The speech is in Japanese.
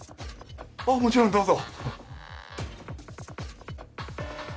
あっもちろんどうぞ。